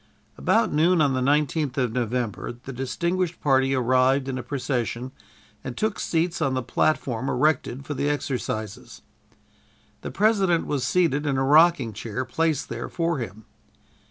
About noon on the 19th of November, the distinguished party arrived in a procession and took seats on the platform erected for the exercises. The President was seated in a rocking chair placed there for him.